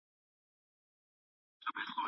موږ ډېر اتڼ وړاندي نه کړ.